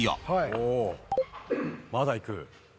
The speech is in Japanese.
「おまだいく」